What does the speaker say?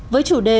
với chủ đề